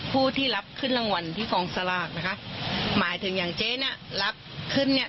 ผู้ที่รับขึ้นรางวัลที่กองสลากนะคะหมายถึงอย่างเจ๊น่ะรับขึ้นเนี่ย